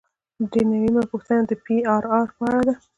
درې نوي یمه پوښتنه د پی آر آر په اړه ده.